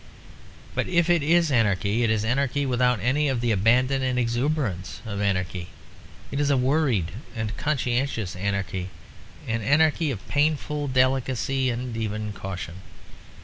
But if it is anarchy, it is anarchy without any of the abandon and exuberance of anarchy. It is a worried and conscientious anarchy; an anarchy of painful delicacy and even caution.